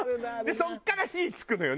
そこから火つくのよね